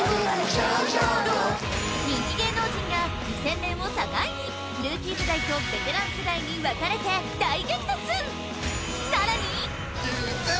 上々↑↑の人気芸能人が２０００年を境にルーキー世代とベテラン世代に分かれて大激突！